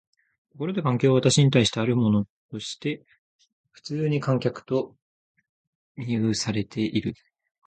ところで環境は私に対してあるものとして普通に客観と看做されている。